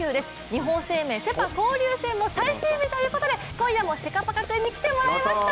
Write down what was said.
日本生命セ・パ交流戦も最終日ということで今夜もセカパカくんに来ていただきました。